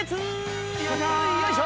よいしょ。